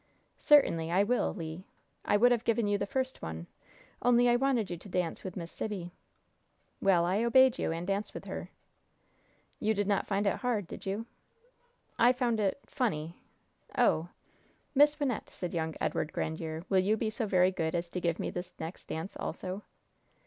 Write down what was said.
"Certainly I will, Le! I would have given you the first one, only I wanted you to dance with Miss Sibby!" "Well, I obeyed you, and danced with her." "You did not find it hard, did you?" "I found it funny!" "Oh!" "Miss Wynnette," said young Edward Grandiere, "will you be so very good as to give me this next dance, also?"